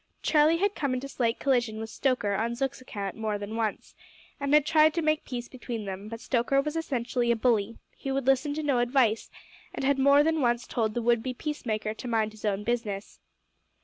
Charlie had come into slight collision with Stoker on Zook's account more than once, and had tried to make peace between them, but Stoker was essentially a bully; he would listen to no advice, and had more than once told the would be peacemaker to mind his own business.